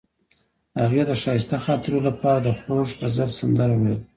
هغې د ښایسته خاطرو لپاره د خوږ غزل سندره ویله.